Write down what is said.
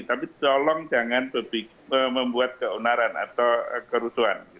tapi tolong jangan membuat keonaran atau kerusuhan